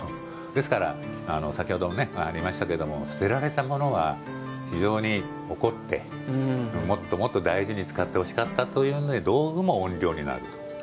ですから先ほどもありましたけど捨てられたものは非常に怒って、もっともっと大事に使ってほしかったということで道具も怨霊になると。